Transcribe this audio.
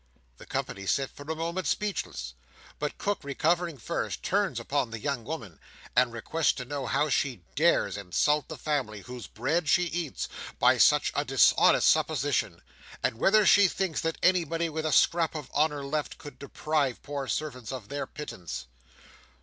The company sit for a moment speechless; but Cook recovering first, turns upon the young woman, and requests to know how she dares insult the family, whose bread she eats, by such a dishonest supposition, and whether she thinks that anybody, with a scrap of honour left, could deprive poor servants of their pittance?